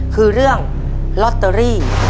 คือเรื่องลอตเตอรี่